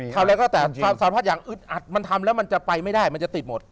ทำแล้วก็แต่สารวัสดิ์อย่างอึดอัดมันทำแล้วมันจะไปไม่ได้มันจะติดหมด